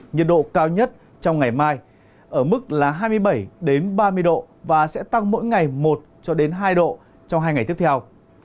nhiệt độ cao nhất trong ngày mai ở mức là hai mươi bảy ba mươi độ và sẽ tăng mỗi ngày một cho đến hai độ trong hai ngày tiếp theo